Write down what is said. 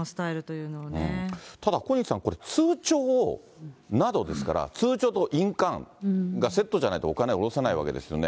ただ小西さん、これ通帳を、などですから、通帳と印鑑がセットじゃないと、お金は下ろせないわけですよね。